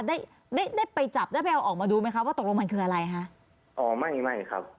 ได้ได้ได้ไปจับได้ไปเอาออกมาดูไหมคะว่าตกลงมันคืออะไรคะอ๋อไม่ไม่ครับ